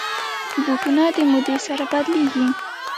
بوټونه د مودې سره بدلېږي.